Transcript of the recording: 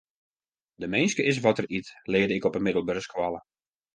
De minske is wat er yt, learde ik op 'e middelbere skoalle.